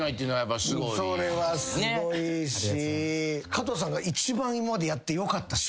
加藤さんが一番今までやってよかった仕事はありますか？